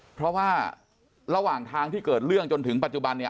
เพราะว่าระหว่างทางที่เกิดเรื่องจนถึงปัจจุบันเนี่ย